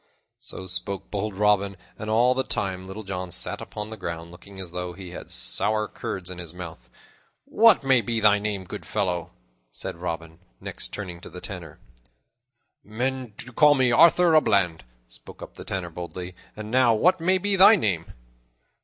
So spoke bold Robin, and all the time Little John sat upon the ground, looking as though he had sour curds in his mouth. "What may be thy name, good fellow?" said Robin, next, turning to the Tanner. "Men do call me Arthur a Bland," spoke up the Tanner boldly, "and now what may be thy name?"